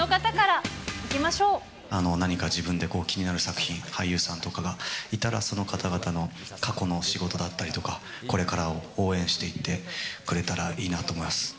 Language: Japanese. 何か自分で気になる作品、俳優さんとかがいたらその方々の過去のお仕事だったりとか、これから応援していってくれたらいいなと思います。